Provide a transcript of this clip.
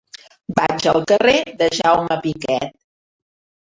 Vaig al carrer de Jaume Piquet.